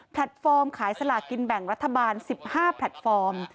ฟอร์มขายสลากินแบ่งรัฐบาล๑๕แพลตฟอร์ม